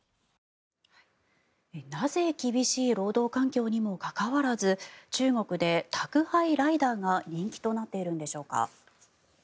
なぜ厳しい労働環境にもかかわらず中国で宅配ライダーが人気となっているのでしょうか。